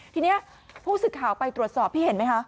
ทีนี้ผู้สื่อข่าวไปตรวจสอบพี่เห็นไหมคะ